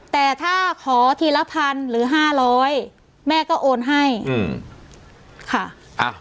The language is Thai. แต่ถ้าขอทีละพันหรือห้าร้อยแม่ก็โอนให้อืมค่ะ